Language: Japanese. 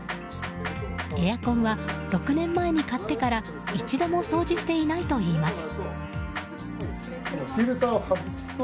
エアコンは６年前に買ってから一度も掃除していないといいます。